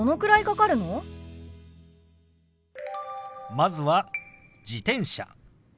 まずは「自転車」。